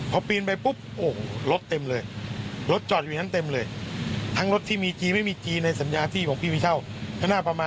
พอปีนไปปุ๊บโอ้โหรถเต็มเลยรถจอดอยู่อย่างนั้นเต็มเลยทั้งรถที่มีจีนไม่มีจีนในสัญญาที่ของพี่มีเช่าก็น่าประมาณ